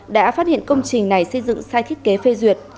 đã phát hiện công trình này xây dựng sai thiết kế phê duyệt